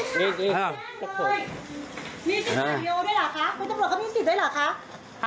แจ้งเลยแจ้งเลยแจ้งเลยมีสิทธิ์ด้วยเหรอคะมีสิทธิ์ด้วยเหรอคะ